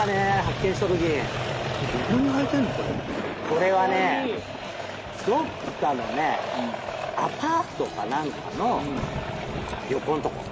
これはねどっかのねアパートか何かの横んとこ。